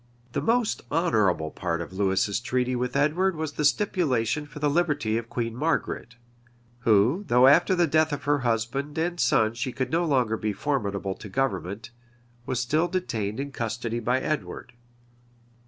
The most honorable part of Lewis's treaty with Edward was the stipulation for the liberty of Queen Margaret, who, though after the death of her husband and son she could no longer be formidable to government, was still detained in custody by Edward.